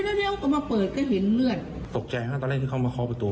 แล้วก็มาเปิดก็เห็นเลือดตกใจฮะตอนแรกที่เขามาเคาะประตู